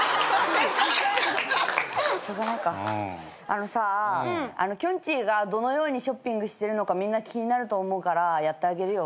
あのさきょんちぃがどのようにショッピングしてるのかみんな気になると思うからやってあげるよ。